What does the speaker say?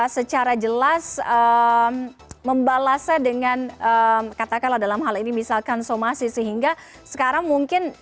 secara jelas membalasnya dengan katakanlah dalam hal ini misalkan somasi sehingga sekarang mungkin